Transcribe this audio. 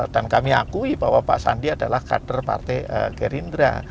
dan kami akui bahwa pak sandi adalah kader partai gerindra